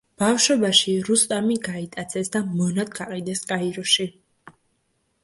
ბავშვობაში რუსტამი გაიტაცეს და მონად გაყიდეს კაიროში.